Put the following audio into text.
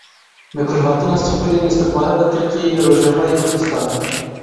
Mikurhatina sîxurên Îstixbarata Tirkiyeyê li Rojavayê Kurdistanê.